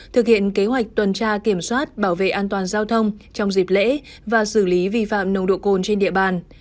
thực hiện kế hoạch tuần tra kiểm soát bảo vệ an toàn giao thông trong dịp lễ và xử lý vi phạm nồng độ cồn trên địa bàn